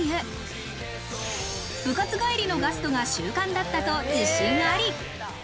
部活帰りのガストが習慣だったと自信あり。